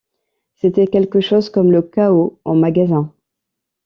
C’était quelque chose comme le chaos en magasin.